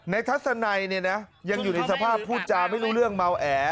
ทัศนัยเนี่ยนะยังอยู่ในสภาพพูดจาไม่รู้เรื่องเมาแอ